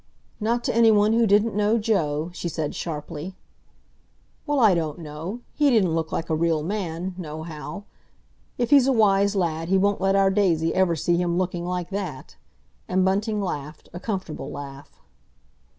"Not to anyone who didn't know Joe," she said sharply. "Well, I don't know. He didn't look like a real man—nohow. If he's a wise lad, he won't let our Daisy ever see him looking like that!" and Bunting laughed, a comfortable laugh.